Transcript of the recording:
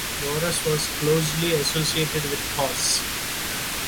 Boreas was closely associated with horses.